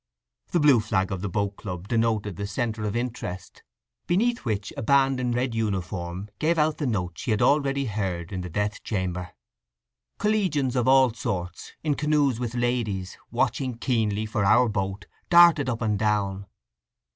The blue flag of the boat club denoted the centre of interest, beneath which a band in red uniform gave out the notes she had already heard in the death chamber. Collegians of all sorts, in canoes with ladies, watching keenly for "our" boat, darted up and down.